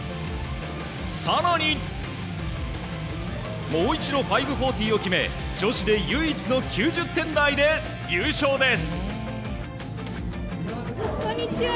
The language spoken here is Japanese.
更に、もう一度５４０を決め女子で唯一の９０点台で優勝です。